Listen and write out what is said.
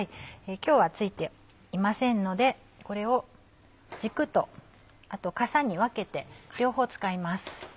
今日は付いていませんのでこれを軸とあとかさに分けて両方使います。